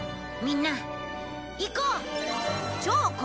みんないこう！